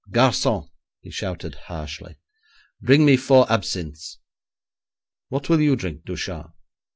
'Garçon!' he shouted harshly, 'bring me four absinthes. What will you drink, Ducharme?'